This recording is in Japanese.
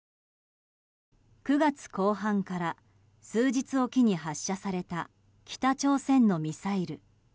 ９月後半から数日おきに発射された北朝鮮のミサイル。